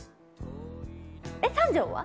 えっ三条は？